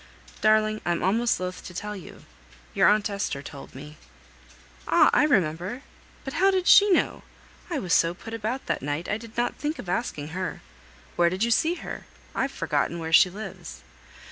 "Darling, I'm almost loth to tell you; your aunt Esther told me." "Ah, I remember! but how did she know? I was so put about that night I did not think of asking her. Where did you see her? I've forgotten where she lives."